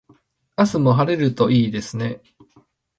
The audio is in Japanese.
明日も晴れるといいですね。